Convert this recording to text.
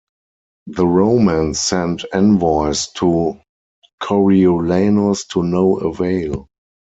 The Romans sent envoys to Coriolanus to no avail.